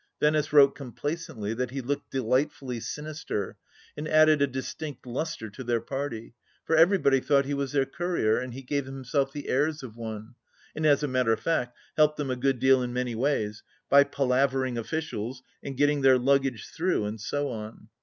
Venice wrote complacently that he looked delightfully sinister, and added a distinct lustre to their party, for everybody thought he was their courier, and he gave himself the airs of one, and as a matter of fact helped them a good deal in many ways, by palavering officials and getting their luggage through, and so on.